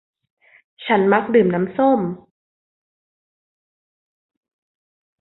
ฉันมักดื่มน้ำส้ม